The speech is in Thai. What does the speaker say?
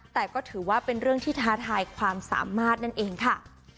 แต่ก็ถือว่าเป็นเรื่องที่ท้าทายความสามารถนั่นเองค่ะ